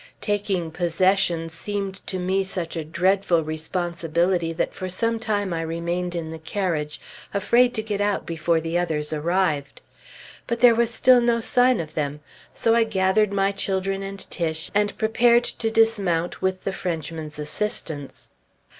"Taking possession" seemed to me such a dreadful responsibility that for some time I remained in the carriage, afraid to get out before the others arrived. But there was still no sign of them; so I gathered my children and Tiche, and prepared to dismount with the Frenchman's assistance.